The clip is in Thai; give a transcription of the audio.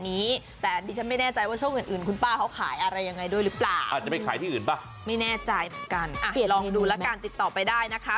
แน่ใจเหมือนกันลองดูแล้วกันติดต่อไปได้นะคะ